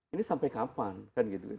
ini sampai kapan